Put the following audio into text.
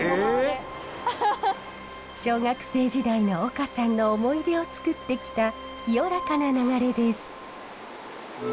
小学生時代の丘さんの思い出をつくってきた清らかな流れです。